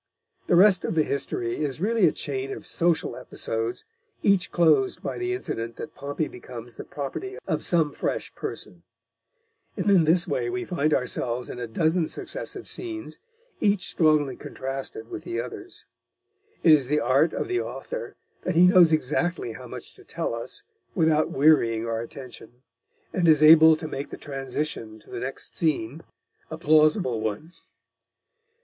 The rest of the history is really a chain of social episodes, each closed by the incident that Pompey becomes the property of some fresh person. In this way we find ourselves in a dozen successive scenes, each strongly contrasted with the others. It is the art of the author that he knows exactly how much to tell us without wearying our attention, and is able to make the transition to the next scene a plausible one.